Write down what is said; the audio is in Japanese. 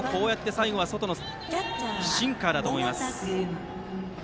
最後は外のシンカーだと思います。